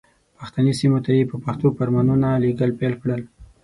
پښتني سیمو ته یې په پښتو فرمانونه لېږل پیل کړل.